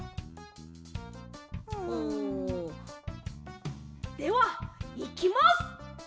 ん？ではいきます！